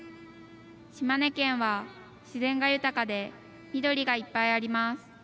島根県は自然が豊かで緑がいっぱいあります。